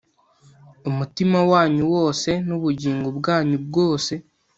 umutima wanyu wose n ubugingo bwanyu bwose